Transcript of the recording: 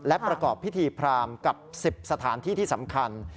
และประกอบพิธีพรามกับ๑๐สถานที่ที่สำคัญ